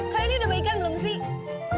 kali ini udah baik kan belum sih